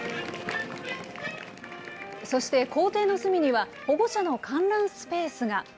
そして校庭の隅には、保護者の観覧スペースが。